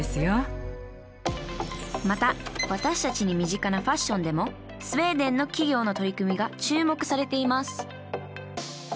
また私たちに身近なファッションでもスウェーデンの企業の取り組みが注目されています。